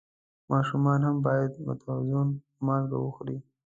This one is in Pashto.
ماشومان هم باید متوازن مالګه وخوري.